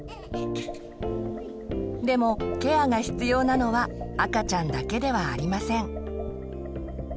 でもケアが必要なのは赤ちゃんだけではありません。